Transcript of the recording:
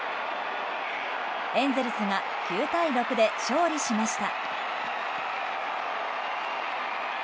エンゼルスが９対６で勝利しました。